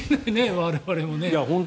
我々もね。